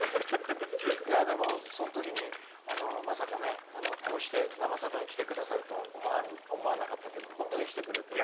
その時に、まさかこうして「生さだ」に来てくれるとは思わなかったけれども本当に来てくれて。